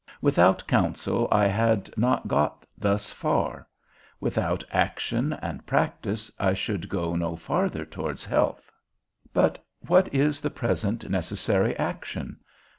Without counsel, I had not got thus far; without action and practice, I should go no farther towards health. But what is the present necessary action?